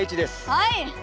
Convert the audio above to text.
はい！